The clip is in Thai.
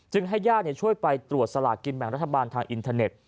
ให้ญาติช่วยไปตรวจสลากกินแบ่งรัฐบาลทางอินเทอร์เน็ต